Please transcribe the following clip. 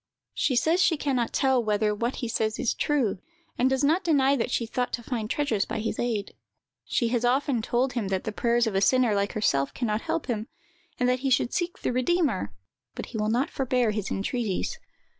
"She says she can not tell whether what he says is true; and does not deny that she thought to find treasures by his aid. She has often told him that the prayers of a sinner, like herself, can not help him, and that he should seek the Redeemer; but he will not forbear his entreaties.